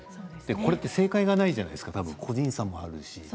これって正解がないじゃないですか、個人差もあるし。